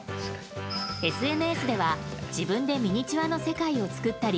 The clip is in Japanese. ＳＮＳでは自分でミニチュアの世界を作ったり